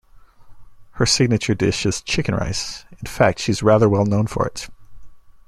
Her signature dish is "Chicken Rice"-in fact she is rather well known for it.